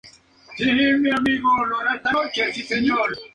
Un decreto del senado romano lo mandaba expresamente.